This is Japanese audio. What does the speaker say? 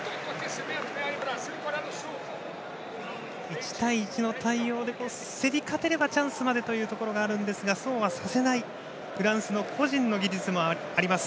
１対１の対応で競り勝てればチャンスまでというところはあるんですがそうはさせないフランスの個人の技術もあります。